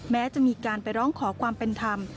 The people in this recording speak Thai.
แม้จะมีการไปร้องขอความเป็นธรรม